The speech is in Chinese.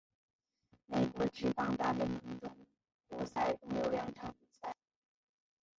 美国职棒大联盟中国赛共有两场比赛。